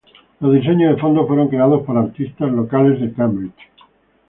Los diseños de fondo fueron creados por artistas locales de Cambridge.